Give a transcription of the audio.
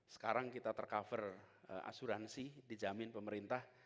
sekarang kita tercover asuransi di jamin pemerintah